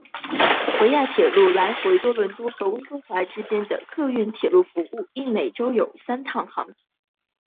维亚铁路来回多伦多和温哥华之间的客运铁路服务亦每周有三班列车停靠帕里湾。